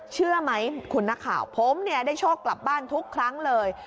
เชื่อไหมคุณนักข่าวผมเนี่ยได้โชคกลับบ้านทุกครั้งเลย